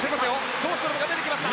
ショーストロムが出てきました。